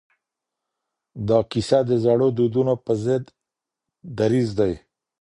دا کیسه د زړو دودونو پر ضد دریځ دی.